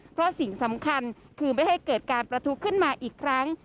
เพราะสิ่งสำคัญคือไม่ให้เกิดการประทุขึ้นมาอีกครั้ง